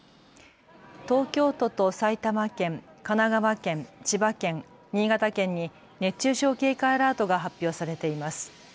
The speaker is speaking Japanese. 東京都と埼玉県、神奈川県、千葉県、新潟県に熱中症警戒アラートが発表されています。